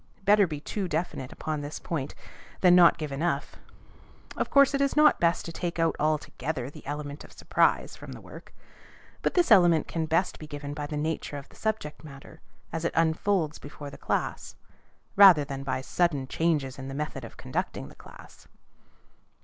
Better be too definite upon this point, than not to give enough. Of course, it is not best to take out altogether the element of surprise from the work; but this element can best be given by the nature of the subject matter as it unfolds before the class, rather than by sudden changes in the method of conducting the class.